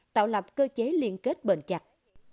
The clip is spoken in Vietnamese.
tạo lập cơ chế liên kết bền chặt